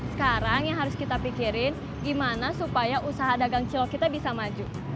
sekarang yang harus kita pikirin gimana supaya usaha dagang cilok kita bisa maju